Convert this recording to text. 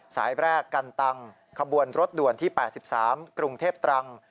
สายแรกกันตังขบวนรถด่วนที่๘๓กรุงเทพตรัง